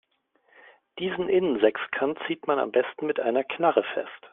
Diesen Innensechskant zieht man am besten mit einer Knarre fest.